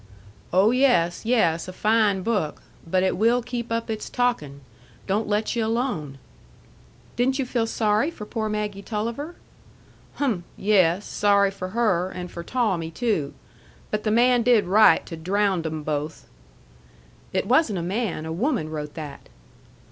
"Oh, yes, yes. A fine book. But it will keep up its talkin'. Don't let you alone." "Didn't you feel sorry for poor Maggie Tulliver?" "Hmp. Yes. Sorry for her, and for Tawmmy, too. But the man did right to drownd 'em both." "It wasn't a man. A woman wrote that."